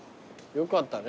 よかったね